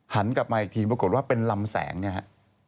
หันกลับมาอีกทีปรากฏว่าเป็นลำแสงเนี่ยฮะ